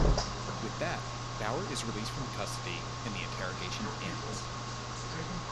With that, Bauer is released from custody and the interrogation ends.